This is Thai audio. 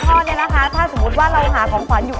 สำหรับคุณพ่อเนี่ยนะคะถ้าสมมติว่าเราหาของขวัญอยู่